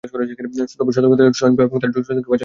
তবে সতর্ক থাকলে সোয়াইন ফ্লু এবং তার জটিলতা থেকে বাঁচা সম্ভব।